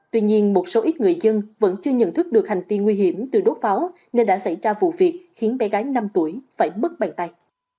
tuy nhiên một số ít người dân vẫn chưa nhận thức được hành vi nguy hiểm từ đốt pháo nên đã xảy ra vụ việc khiến bé gái năm tuổi phải mất bàn tay